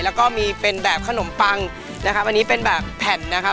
แล้วก็มีเป็นแบบขนมปังนะครับอันนี้เป็นแบบแผ่นนะครับ